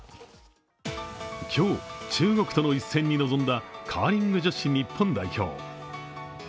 今日、中国との一戦に臨んだカーリング女子日本代表。